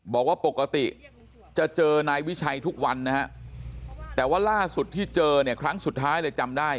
บอกว่าปกติจะเจอนายวิชัยทุกวันนะฮะแต่ว่าล่าสุดที่เจอเนี่ยครั้งสุดท้ายเลยจำได้